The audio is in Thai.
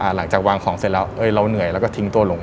หลังจากวางของเสร็จแล้วเราเหนื่อยแล้วก็ทิ้งตัวลง